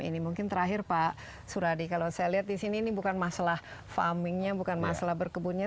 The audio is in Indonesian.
ini mungkin terakhir pak suradi kalau saya lihat di sini ini bukan masalah farmingnya bukan masalah berkebunnya